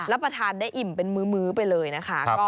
ประทานได้อิ่มเป็นมื้อไปเลยนะคะ